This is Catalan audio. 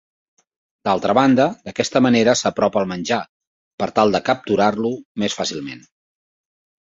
D'altra banda, d'aquesta manera s'apropa el menjar, per tal de capturar-lo més fàcilment.